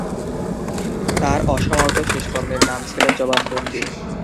তার অসমাপ্ত শেষ কর্মের নাম ছিল "জবানবন্দি"।